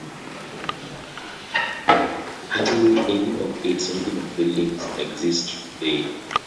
Hardly any of its original buildings exist today.